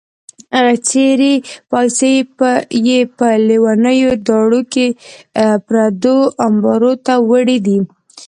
څېرې پایڅې یې په لیونیو داړو کې پردو امبارو ته وړې دي.